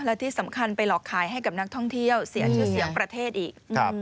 และที่สำคัญไปหลอกขายให้กับนักท่องเที่ยวเสียชื่อเสียงประเทศอีก